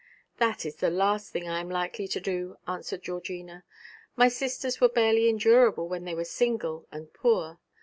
'That is the last thing I am likely to do,' answered Georgina; 'my sisters were barely endurable when they were single and poor.